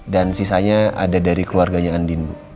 dan sisanya ada dari keluarganya andin bu